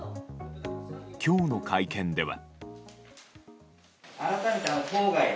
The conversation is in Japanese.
今日の会見では。